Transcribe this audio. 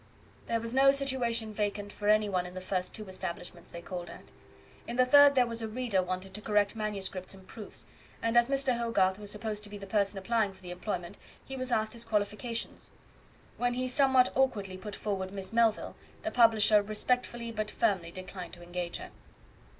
There was no situation vacant for any one in the first two establishments they called at. In the third there was a reader wanted to correct manuscripts and proofs, and as Mr. Hogarth was supposed to be the person applying for the employment, he was asked his qualifications. When he somewhat awkwardly put forward Miss Melville, the publisher respectfully but firmly declined to engage her.